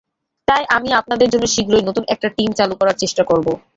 তাই আমি আপনাদের জন্য শীঘ্রই নতুন একটা টিম চালু করার চেষ্টা করব।